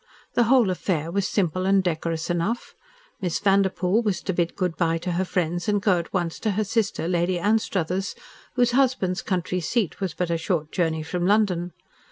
The whole affair was simple and decorous enough. Miss Vanderpoel was to bid good bye to her friends and go at once to her sister, Lady Anstruthers, whose husband's country seat was but a short journey from London.